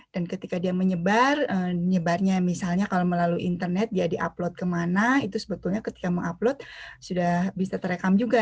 dan ketika dia menyebar nyebarnya misalnya kalau melalui internet dia di upload ke mana itu sebetulnya ketika meng upload sudah bisa terekam juga